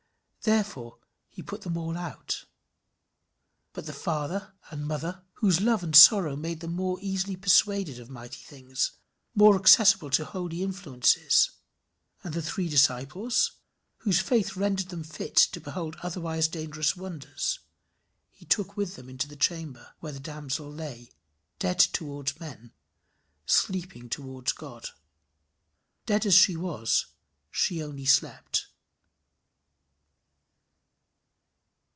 Therefore he put them all out. But the father and mother, whose love and sorrow made them more easily persuaded of mighty things, more accessible to holy influences, and the three disciples, whose faith rendered them fit to behold otherwise dangerous wonders, he took with him into the chamber where the damsel lay dead toward men sleeping toward God. Dead as she was, she only slept.